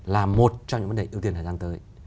là một trong những vấn đề ưu tiên thời gian tới